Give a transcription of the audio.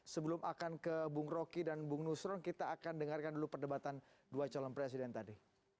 sebelum akan ke bung rocky dan bung nusron kita akan dengarkan dulu perdebatan dua calon presiden tadi